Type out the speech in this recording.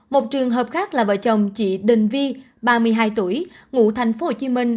một trường hợp khác là vợ chồng chị đình vi ba mươi hai tuổi ngụ thành phố hồ chí minh